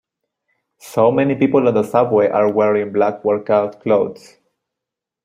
So many people on the subway are wearing black workout clothes.